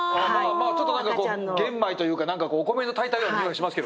まあちょっと何かこう玄米というか何かこうお米の炊いたようなにおいしますけどね。